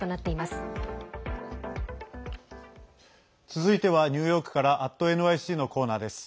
続いてはニューヨークから「＠ｎｙｃ」のコーナーです。